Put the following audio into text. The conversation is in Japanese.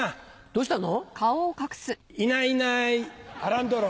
どうしたの？